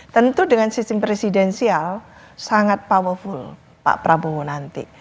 tentu dengan sistem presidensial sangat powerful pak prabowo nanti